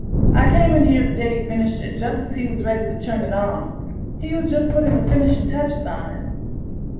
I came in here the day he finished it, just as he was ready to turn it on. He was just putting the finishing touches on it.